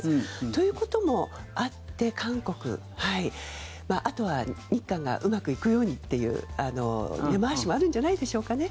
ということもあって韓国あとは日韓がうまくいくようにっていう根回しもあるんじゃないでしょうかね。